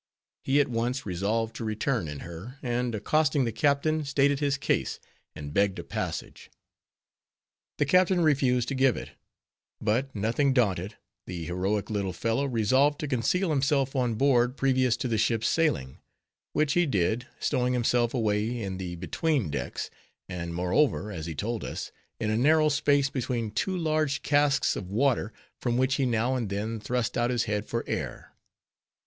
He at once resolved to return in her; and, accosting the captain, stated his case, and begged a passage. The captain refused to give it; but, nothing daunted, the heroic little fellow resolved to conceal himself on board previous to the ship's sailing; which he did, stowing himself away in the between decks; and moreover, as he told us, in a narrow space between two large casks of water, from which he now and then thrust out his head for air.